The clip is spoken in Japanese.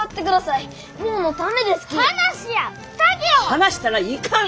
離したらいかん！